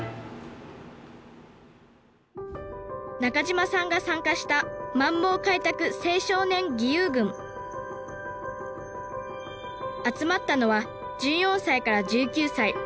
中島さんが参加した集まったのは１４歳から１９歳。